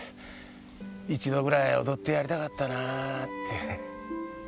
一度ぐらい踊ってやりたかったなって。